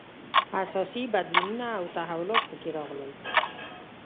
اساسي بدلونونه او تحولات په کې راغلل.